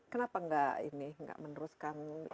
kenapa gak ini gak meneruskan